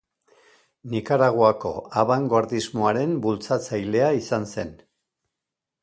Nikaraguako abangoardismoaren bultzatzailea izan zen.